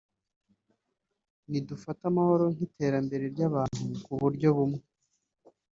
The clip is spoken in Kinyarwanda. nidufata amahoro nk’iterambere ry’abantu ku buryo bumwe